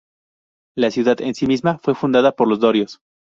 La ciudad en sí misma fue fundada por los dorios.